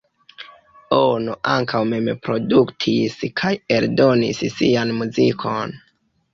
Ono ankaŭ mem produktis kaj eldonis sian muzikon.